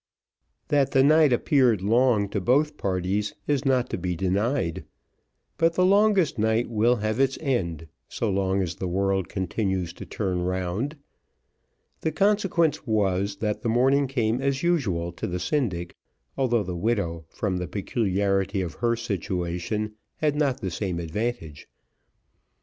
That the night appeared long to both parties is not to be denied, but the longest night will have its end, so long as the world continues to turn round; the consequence was, that the morning came as usual to the syndic, although the widow from the peculiarity of her situation, had not the same advantage.